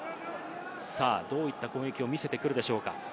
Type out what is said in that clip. さぁどういった攻撃を見せてくるでしょうか。